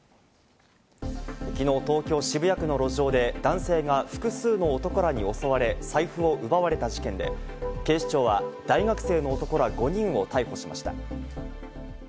昨日、東京・渋谷区の路上で男性が複数の男らに襲われ、財布を奪われた事件で、警視庁は大学生の男ら５人を逮捕しました。